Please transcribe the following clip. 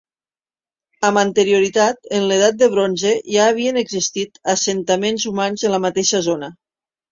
Amb anterioritat, en l'edat del bronze, ja havien existit assentaments humans en la mateixa zona.